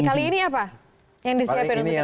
kali ini apa yang disiapin untuk kita